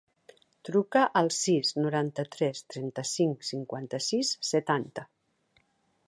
Truca al sis, noranta-tres, trenta-cinc, cinquanta-sis, setanta.